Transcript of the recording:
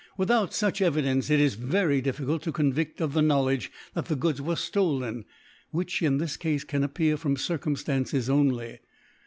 Without fuch Evidence it is very dif ficult to convifl of the Knowledge, that the Goods were flolen ; which, in this Cafe, can appear from Circumftances only.